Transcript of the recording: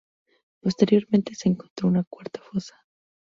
Posteriormente, se encontró una cuarta fosa.